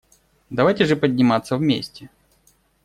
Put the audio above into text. Давайте же подниматься вместе.